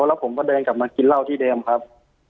แล้วผมก็เดินกลับมากินเหล้าที่เดิมครับ